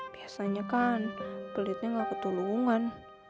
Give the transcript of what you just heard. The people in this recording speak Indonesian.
biasanya kan pelitnya gak ketulungan